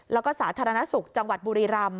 แล้วก็สาธารณสุขจังหวัดบุรีรำ